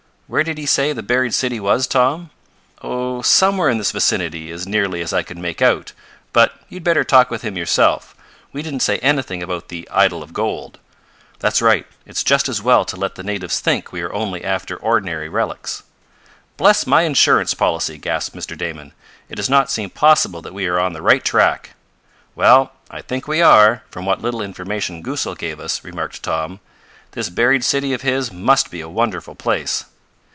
Where did he say the buried city was, Tom?" "Oh, somewhere in this vicinity, as nearly as I could make out. But you'd better talk with him yourself. We didn't say anything about the idol of gold." "That's right. It's just as well to let the natives think we are only after ordinary relics." "Bless my insurance policy!" gasped Mr. Damon. "It does not seem possible that we are on the right track." "Well, I think we are, from what little information Goosal gave us," remarked Tom. "This buried city of his must be a wonderful place."